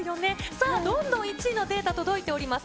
さあ、どんどん１位のデータ、届いております。